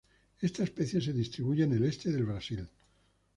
Esta especie se distribuye en el este del Brasil.